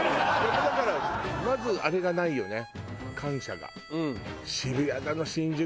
だからまずあれがないよね。